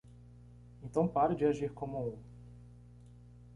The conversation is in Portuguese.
Então pare de agir como um.